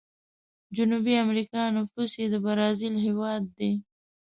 جنوبي امريکا نفوس یې د برازیل هیواد دی.